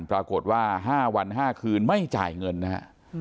ปรากฏว่า๕วัน๕คืนไม่จ่ายเงินนะฮะ